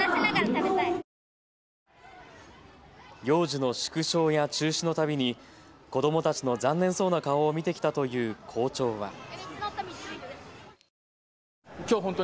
行事の縮小や中止のたびに子どもたちの残念そうな顔を見てきたという校長は。